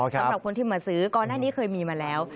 สำหรับคนที่มาซื้อก่อนหน้านี้เคยมีมาแล้ว